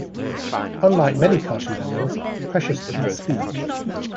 Unlike many cartoon animals, Precious didn't speak.